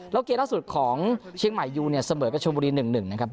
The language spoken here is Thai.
แล้วเกมล่าสุดของเชียงใหม่ยูเนี่ยเสมอกับชมบุรี๑๑นะครับ